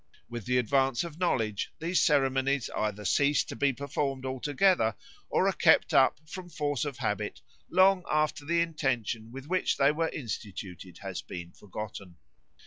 With the advance of knowledge these ceremonies either cease to be performed altogether or are kept up from force of habit long after the intention with which they were instituted has been forgotten.